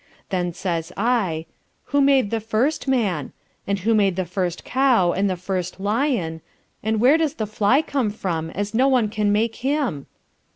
Then says I, who made the First Man? and who made the first Cow, and the first Lyon, and where does the fly come from, as no one can make him?